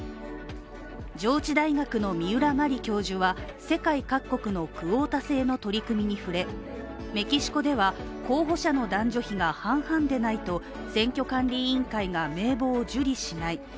上智大学の三浦まり教授は、世界各国のクオータ制の取り組みに触れ、メキシコでは候補者の男女比が半々でないと選挙管理委員会が名簿を受理しない。